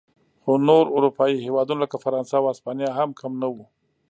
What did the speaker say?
خو نور اروپايي هېوادونه لکه فرانسه او هسپانیا هم کم نه و.